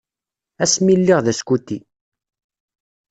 Ass mi lliɣ d askuti.